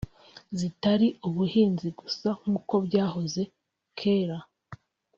zitari ubuhinzi gusa nk’uko byahoze kera